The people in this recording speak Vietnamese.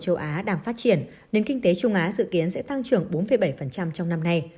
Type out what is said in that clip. châu á đang phát triển nền kinh tế trung á dự kiến sẽ tăng trưởng bốn bảy trong năm nay